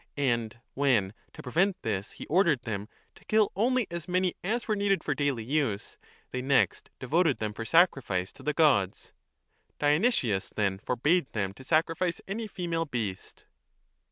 And when, to prevent this, he ordered them to kill only as many as were needed for daily use, they next devoted them for sacrifice to the gods. Dionysius then forbade them to sacrifice any female beast.